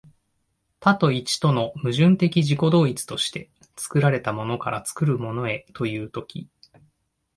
多と一との矛盾的自己同一として、作られたものから作るものへという時、